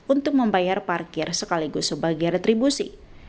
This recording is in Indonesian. untuk membayar parkir sekaligus sebagai retribusi